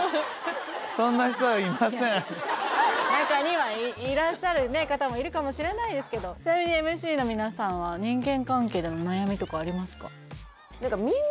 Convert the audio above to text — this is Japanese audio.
いません中にはいらっしゃる方もいるかもしれないですけどちなみにＭＣの皆さんは人間関係での悩みとかありますか？